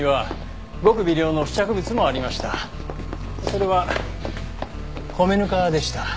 それは米ぬかでした。